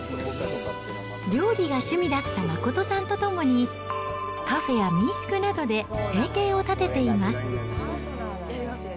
料理が趣味だった真さんと共に、カフェや民宿などで生計を立てています。